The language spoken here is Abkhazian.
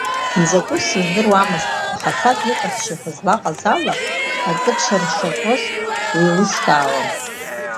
Изакәыз сыздырамызт, аха саб иҟазшьақәа злаҟаз ала, акы дшаршаҟьоз еилыскаауан.